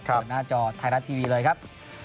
เดินหน้าจอไทยรัฐทีวีเลยครับ